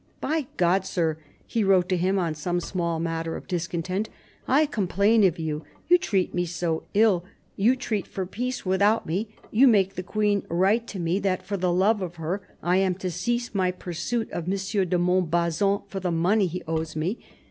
" By God, sir," he wrote to him on some small matter of discontent, " I complain of you : you treat me too ill ; you treat for peace without me ; you make the Queen write to me that for the love of her I am to cease my pursuit of M. de Montbazon for the money he owes me.